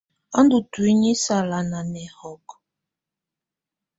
Á ndù ntuinyii sala nà nɛhɔkɛ.